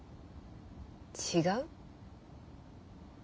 違う？